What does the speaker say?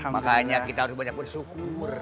makanya kita harus banyak bersyukur